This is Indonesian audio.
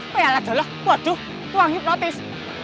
waduh uang hipnotis